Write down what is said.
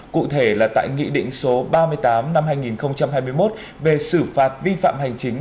cụ thể là tại nghị định số ba mươi tám năm hai nghìn hai mươi một về xử phạt vi phạm hành chính